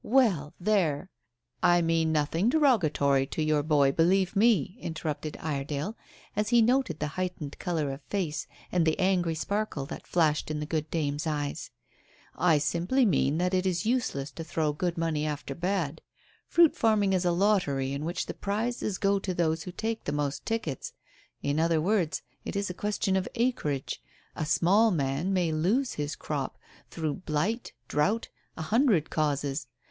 Well, there " "I mean nothing derogatory to your boy, believe me," interrupted Iredale, as he noted the heightened colour of face and the angry sparkle that flashed in the good dame's eyes "I simply mean that it is useless to throw good money after bad. Fruit farming is a lottery in which the prizes go to those who take the most tickets. In other words, it is a question of acreage. A small man may lose his crop through blight, drought, a hundred causes.